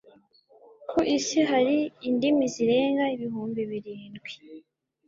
ku isi hari indimi zirenga ibihumbi birindwi